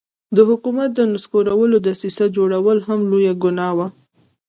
د حکومت د نسکورولو دسیسه جوړول هم لویه ګناه وه.